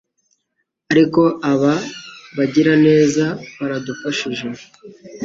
ariko aba bagiraneza baradufashije